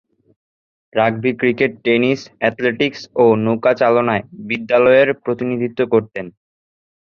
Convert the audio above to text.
Rugby, cricket, tennis, athletics ও নৌকাচালনায় বিদ্যালয়ের প্রতিনিধিত্ব করতেন।